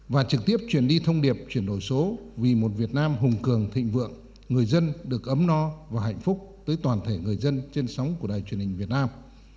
và trực tiếp truyền đi thông điệp chuyển đổi số vì một việt nam hùng cường thịnh vượng người dân được ấm no và hạnh phúc tới toàn thể người dân trên sóng của đài truyền hình việt nam